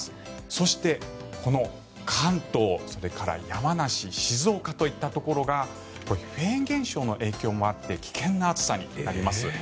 そして、この関東、それから山梨、静岡といったところがフェーン現象の影響もあって危険な暑さになります。